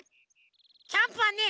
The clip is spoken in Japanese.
キャンプはね